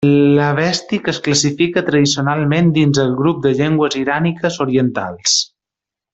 L'avèstic es classifica tradicionalment dins del grup de llengües iràniques orientals.